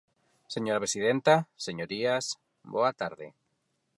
Señora presidenta, señorías, boa tarde.